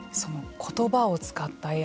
言葉を使ったＡＩ